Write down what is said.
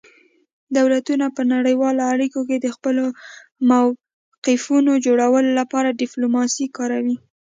دولتونه په نړیوالو اړیکو کې د خپلو موقفونو جوړولو لپاره ډیپلوماسي کاروي